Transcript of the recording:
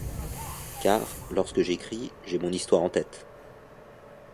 Car, lorsque j’écris, j’ai mon histoire en tête.